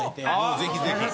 ぜひぜひ。